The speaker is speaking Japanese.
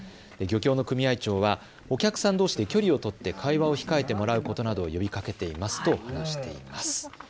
漁協の組合長はお客さんどうしで距離を取って会話を控えてもらうことなどを呼びかけていますと話しています。